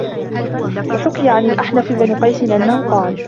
وَحُكِيَ عَنْ الْأَحْنَفِ بْنِ قَيْسٍ أَنَّهُ قَالَ